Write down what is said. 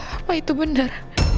apa itu benar